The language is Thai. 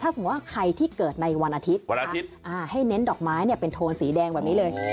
ถ้าสมมุติว่าใครที่เกิดในวันอาทิตย์ให้เน้นดอกไม้เนี่ยเป็นโทนสีแดงแบบนี้เลย